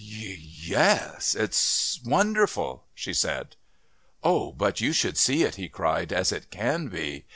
"Yes it's wonderful," she said. "Oh, but you should see it," he cried, "as it can be.